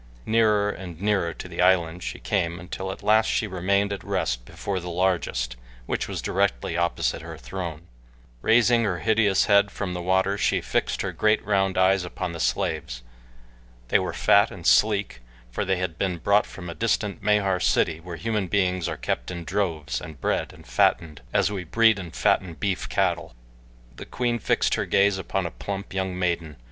Nearer and nearer to the island she came until at last she remained at rest before the largest, which was directly opposite her throne. Raising her hideous head from the water she fixed her great, round eyes upon the slaves. They were fat and sleek, for they had been brought from a distant Mahar city where human beings are kept in droves, and bred and fattened, as we breed and fatten beef cattle. The queen fixed her gaze upon a plump young maiden.